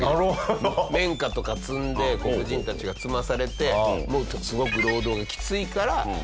綿花とか摘んで黒人たちが摘まされてすごく労働がきついから歌とか。